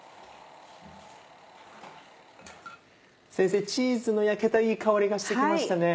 先生チーズの焼けたいい香りがして来ましたね。